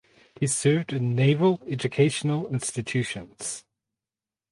He served in naval educational institutions.